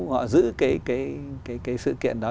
họ giữ cái sự kiện đó